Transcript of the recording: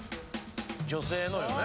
女性のよね。